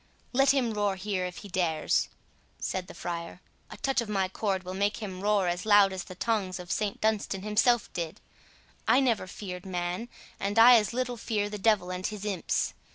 "Let him roar here if he dares," said the friar; "a touch of my cord will make him roar as loud as the tongs of St Dunstan himself did. I never feared man, and I as little fear the devil and his imps.